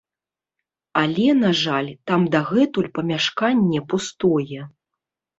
Але на жаль, там дагэтуль памяшканне пустое.